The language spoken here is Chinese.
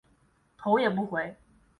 头也不回